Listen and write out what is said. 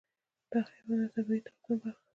دا حیوان د طبیعي توازن برخه ده.